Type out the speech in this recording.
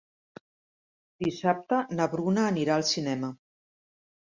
Dissabte na Bruna anirà al cinema.